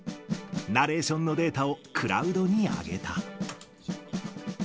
ナレーションのデータをクラウドに上げた。